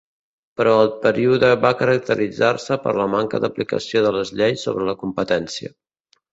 Però el període va caracteritzar-se per la manca d'aplicació de les lleis sobre la competència.